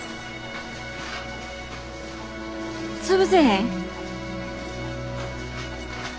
潰せへん。